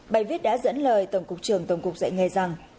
bài viết đã dẫn lời tổng cục trưởng tổng cục dạy nghề rằng